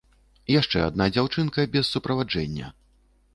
Яшчэ адна дзяўчынка без суправаджэння.